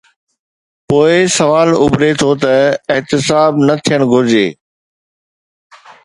پوءِ سوال اڀري ٿو ته: احتساب نه ٿيڻ گهرجي؟